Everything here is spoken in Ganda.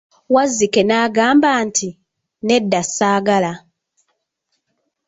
Wazzike n'amugamba nti, nedda saagala.